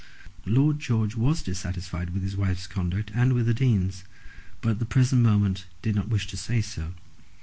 Lord George was dissatisfied with his wife's conduct and with the Dean's, but at the present moment did not wish to say so.